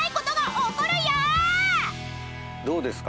どうですか？